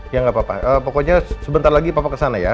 ya nggak apa apa pokoknya sebentar lagi papa kesana ya